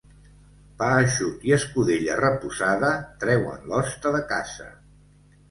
Pa eixut i escudella reposada treuen l'hoste de casa.